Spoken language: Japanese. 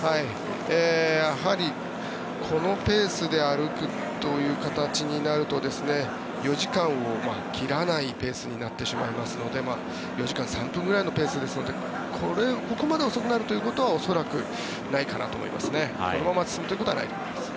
やはりこのペースで歩くという形になると４時間を切らないペースになってしまうので４時間３分ぐらいのペースですのでここまで遅くなるということは恐らくないかなと思いますね。